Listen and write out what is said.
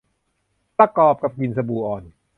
ประกอบกับกลิ่นสบู่อ่อน